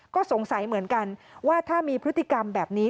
ก็สงสัยเหมือนกันว่าถ้ามีพฤติกรรมแบบนี้